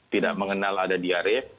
tidak mengenal ada diare